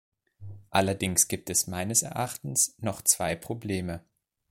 Allerdings gibt es meines Erachtens noch zwei Probleme.